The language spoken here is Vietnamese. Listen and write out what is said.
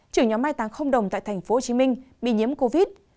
trưởng nhóm mai táng không đồng tại tp hcm bị nhiễm covid